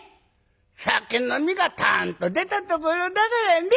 酒飲みがたんと出たところだからね」。